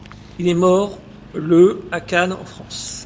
Il est mort le à Cannes, en France.